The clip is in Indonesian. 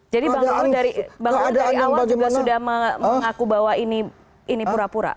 jadi bang ruhut dari awal juga sudah mengaku bahwa ini pura pura